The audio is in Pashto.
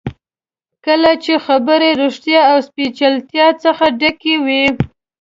کله چې خبرې ریښتیا او سپېڅلتیا څخه ډکې وي.